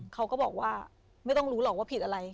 เขาก็บอกว่าไม่ต้องรู้หรอกว่าผิดอะไร